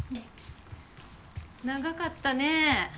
長かったねぇ。